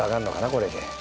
これで。